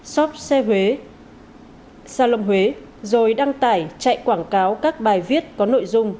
shop xe huế xe lồng huế rồi đăng tải chạy quảng cáo các bài viết có nội dung